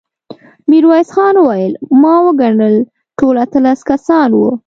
ميرويس خان وويل: ما وګڼل، ټول اتلس کسان وو.